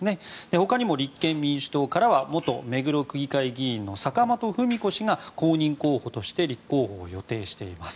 ほかにも立憲民主党からは元目黒区議会議員の坂本史子氏が公認候補として立候補を予定しています。